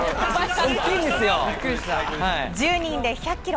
１０人で１００キロ。